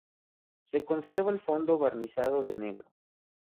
Se conserva el fondo barnizado de negro.